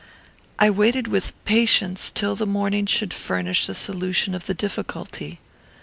I waited with impatience till the morning should furnish a solution of the difficulty.